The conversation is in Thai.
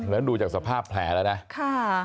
แล้วดูจากสภาพแผลแล้วนะค่ะ